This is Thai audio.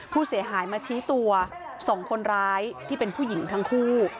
ผู้เสียหายมาชี้ตัว๒คนร้ายที่เป็นผู้หญิงทั้งคู่